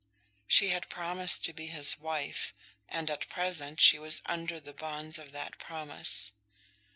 She had promised to be his wife, and at present she was under the bonds of that promise.